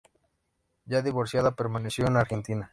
Ya divorciada, permaneció en Argentina.